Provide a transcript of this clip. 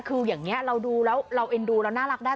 คืออย่างนี้เราดูแล้วเราเอ็นดูเราน่ารักได้